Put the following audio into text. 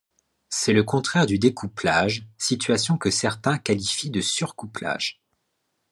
C'est le contraire du découplage, situation que certains qualifient de surcouplage.